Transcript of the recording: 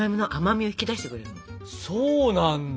そうなんだ！